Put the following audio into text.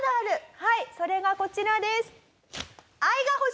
はいそれがこちらです。